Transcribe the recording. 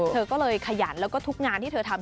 เธอก็เลยขยันแล้วก็ทุกงานที่เธอทำ